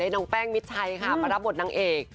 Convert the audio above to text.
น้องแป้งมิดชัยค่ะมารับบทนางเอก